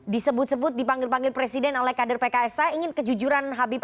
disebut sebut dipanggil panggil presiden oleh kader pks saya ingin kejujuran habib